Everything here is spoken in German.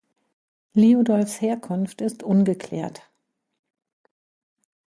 Liudolfs Herkunft ist ungeklärt.